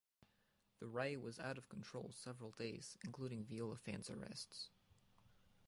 The riot was out of control several days including Viola fans arrests.